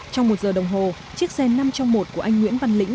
trong một giờ đồng hồ chiếc xe năm trong một của anh nguyễn văn lĩnh